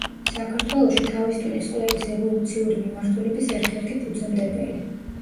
საქართველოში თავის ტვინის კვლევის ევოლუციური მიმართულების ერთ-ერთი ფუძემდებელი.